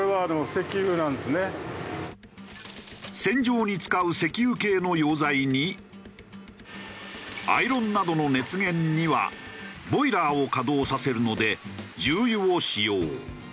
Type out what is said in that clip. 洗浄に使う石油系の溶剤にアイロンなどの熱源にはボイラーを稼働させるので重油を使用。